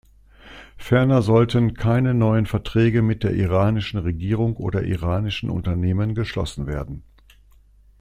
Ferner sollten keine neuen Verträge mit der iranischen Regierung oder iranischen Unternehmen geschlossen werden.